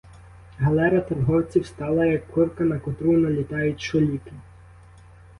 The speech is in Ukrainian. Галера торговців стала — як курка, на котру налітають шуліки.